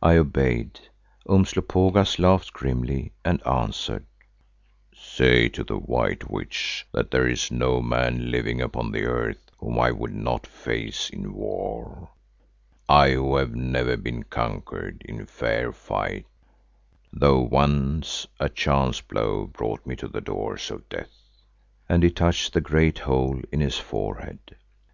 I obeyed. Umslopogaas laughed grimly and answered, "Say to the White Witch that there is no man living upon the earth whom I would not face in war, I who have never been conquered in fair fight, though once a chance blow brought me to the doors of death," and he touched the great hole in his forehead.